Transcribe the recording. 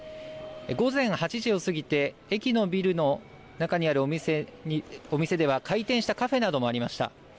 午前８時を過ぎて駅のビルの中にあるお店では開店したカフェなどもありました。